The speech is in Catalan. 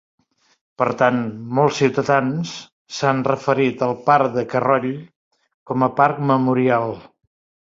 Per tant, molts ciutadans s'han referit al parc de Carroll com a Parc Memorial.